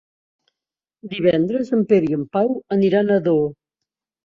Divendres en Pere i en Pau aniran a Ador.